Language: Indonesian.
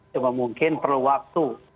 cuma mungkin perlu waktu